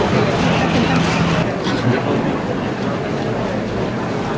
สวัสดีครับ